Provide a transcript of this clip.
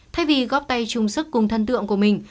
thay vì góp tay chung sức cùng thân tượng của mình